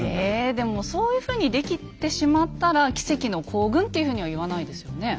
でもそういうふうにできてしまったら「奇跡の行軍」っていうふうには言わないですよね。